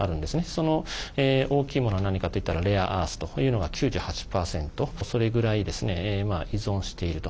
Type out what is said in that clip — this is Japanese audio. その大きいものは何かといったらレアアースというのが９８％それぐらい依存していると。